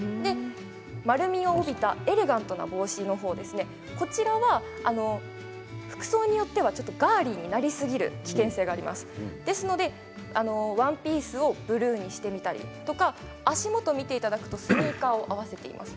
丸みを帯びたエレガントな帽子の方ですね、こちらが服装によってはガーリーになりすぎる危険性がありますのでワンピースをブルーにしてみたりとか、足元を見ていただくとスニーカーを合わせています。